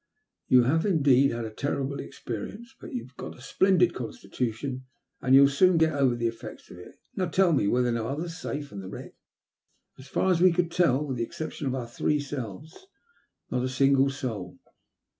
You have indeed had a terrible experience. But you've a splendid constitution, and you'll soon get over the effects of it. And now tell me, were no others saved from the wreck ?"'' As far as we could tell, with the exception of our three selves, not a single soul."